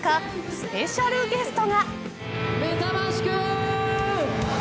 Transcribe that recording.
スペシャルゲストが。